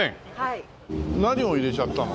何を入れちゃったの？